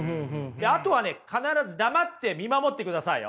あとはね必ず黙って見守ってくださいよ。